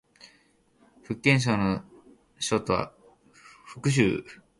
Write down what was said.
福建省の省都は福州である